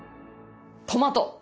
トマト。